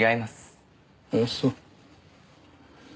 あっそう。